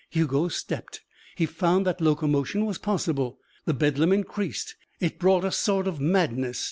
Hugo stepped. He found that locomotion was possible. The bedlam increased. It brought a sort of madness.